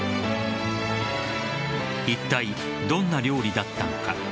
いったい、どんな料理だったのか。